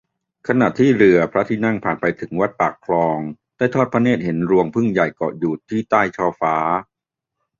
ขณะที่เรือพระที่นั่งผ่านไปถึงวัดปากคลอง ได้ทอดพระเนตรเห็นรวงผึ้งใหญ่เกาะอยู่ที่ใต้ช่อฟ้า